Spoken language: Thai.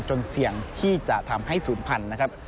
เสี่ยงที่จะทำให้ศูนย์พันธุ์นะครับ